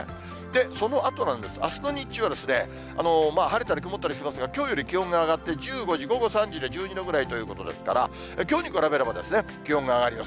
そのあとなんですが、あすの日中は、晴れたり曇ったりしますが、きょうより気温が上がって、１５時、午後３時で１２度ぐらいということですから、きょうに比べれば気温が上がります。